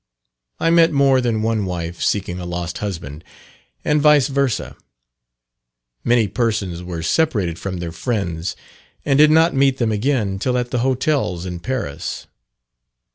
I met more than one wife seeking a lost husband, and vice versa. Many persons were separated from their friends and did not meet them again till at the hotels in Paris.